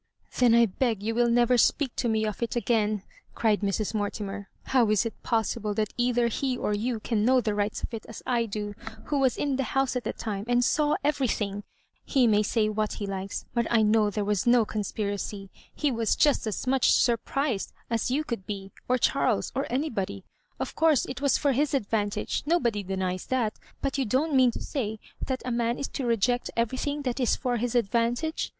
" Then I beg you will never speak to me of it again 1'* cried Mrs. Mortimer. " How is it pos sible that either he or you can know the rights of it as I do, who was in the house at the time, and saw everything ? He may say what he likes, but I know there was no conspiracy ; he was just as much surprised as you could be, or Charles, or anybody. Of courae it was for his advantage — nobody denies that — but you don't mean to say that a man is to reject everything that is for his advantage?"